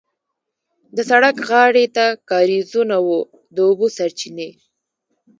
د سړک غاړې ته کارېزونه وو د اوبو سرچینې.